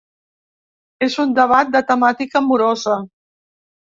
És un debat de temàtica amorosa.